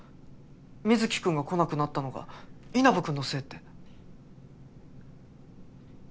水城君が来なくなったのが稲葉君のせいって。